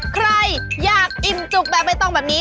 ใครอยากอิ่มจุกแบบใบตองแบบนี้